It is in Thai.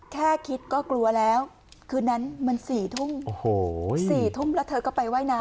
แค่คิดก็กลัวแล้วคืนนั้นมัน๔ทุ่มโอ้โห๔ทุ่มแล้วเธอก็ไปว่ายน้ำ